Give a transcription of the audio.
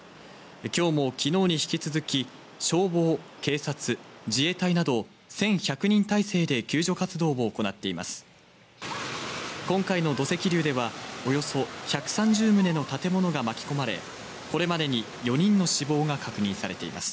今日も昨日に引き続き消防、警察、自衛隊など１１００人態勢で救助活動を行っています。